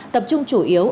tập trung chủ yếu